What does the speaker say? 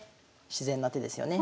自然な手ですよね。